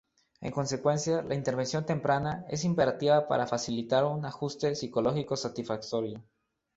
En consecuencia, la intervención temprana es imperativa para facilitar un ajuste psicológico satisfactorio.